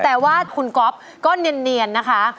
แต่ว่าคุณก๊อฟก็เนียนนะคะ